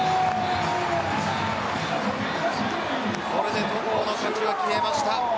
これで戸郷の勝ちが消えました。